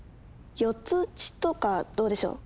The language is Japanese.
４つ打ちとかどうでしょう？